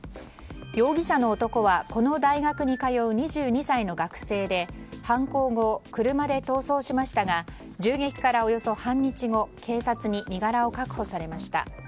容疑者の男はこの大学に通う２２歳の学生で犯行後、車で逃走しましたが銃撃からおよそ半日後警察に身柄を確保されました。